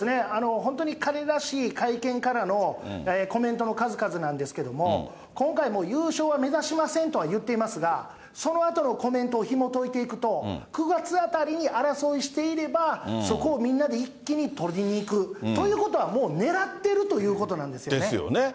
本当に彼らしい、会見からのコメントの数々なんですけれども、今回もう優勝は目指しませんと言っていますが、そのあとのコメントをひもといていくと、９月あたりに争いしていれば、そこをみんなで一気に取りにいく、ということは、もう狙ってるということなんですよね。